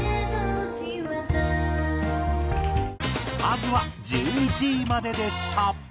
まずは１１位まででした。